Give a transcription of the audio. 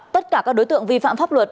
tất cả các đối tượng vi phạm pháp luật